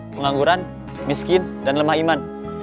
pengangguran miskin dan lemah iman